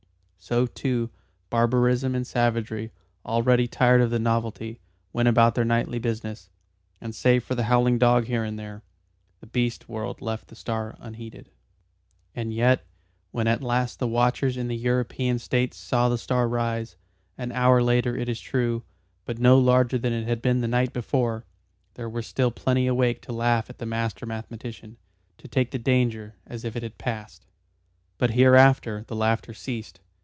So, too, barbarism and savagery, already tired of the novelty, went about their nightly business, and save for a howling dog here and there, the beast world left the star unheeded. And yet, when at last the watchers in the European States saw the star rise, an hour later it is true, but no larger than it had been the night before, there were still plenty awake to laugh at the master mathematician to take the danger as if it had passed. But hereafter the laughter ceased.